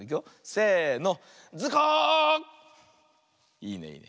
いいねいいね。